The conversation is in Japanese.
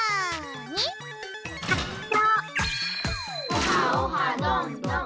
オハオハどんどん！